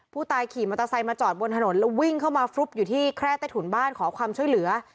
ผู้ตายขี่มอเตอร์ไซค์มาจอดบนถนนแล้ววิ่งเข้ามาฟุบอยู่ที่แคร่ใต้ถุนบ้านขอความช่วยเหลือ